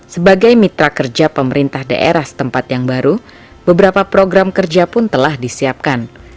sebagai mitra kerja pemerintah daerah setempat yang baru beberapa program kerja pun telah disiapkan